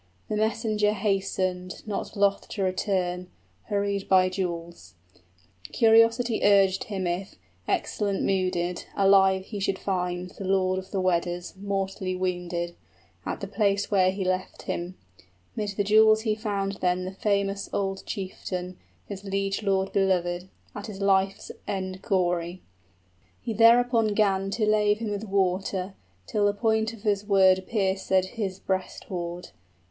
The messenger hastened, Not loth to return, hurried by jewels: Curiosity urged him if, excellent mooded, Alive he should find the lord of the Weders 35 Mortally wounded, at the place where he left him. 'Mid the jewels he found then the famous old chieftain, His liegelord belovèd, at his life's end gory: He thereupon 'gan to lave him with water, Till the point of his word piercèd his breast hoard.